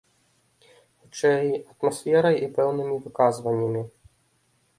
Хутчэй, атмасферай і пэўнымі выказваннямі.